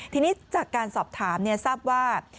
ทีนี้จากการสอบถามทราบว่า